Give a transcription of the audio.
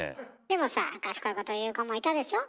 でもさ賢いこと言う子もいたでしょ？